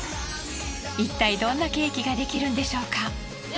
いったいどんなケーキが出来るんでしょうか？